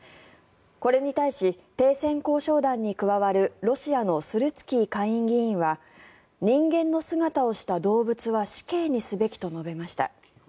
これに対し停戦交渉団に加わるロシアのスルツキー下院議員は人間の姿をした動物は死刑にすべきと述べました。